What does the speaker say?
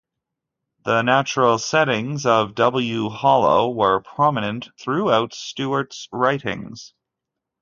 The natural settings of W Hollow were prominent throughout Stuart's writings.